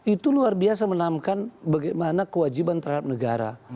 itu luar biasa menanamkan bagaimana kewajiban terhadap negara